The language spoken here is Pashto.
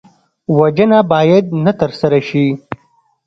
وژنه باید نه ترسره شي